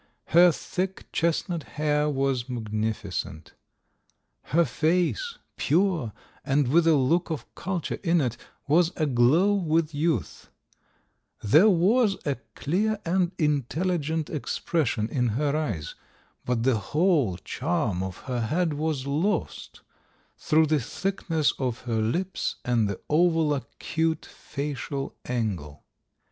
Her thick, chestnut hair was magnificent; her face, pure and with a look of culture in it, was aglow with youth; there was a clear and intelligent expression in her eyes; but the whole charm of her head was lost through the thickness of her lips and the over acute facial angle.